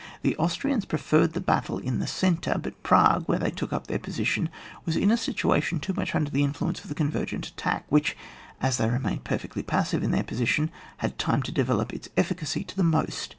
The Austrlans preferred the battle in the centre, but Prague, where they took up their position, was in a situation too much under the influence of the convergent attack, which, as they remained perfectly passive in their position, had time to de velop its efficacy to the utmost.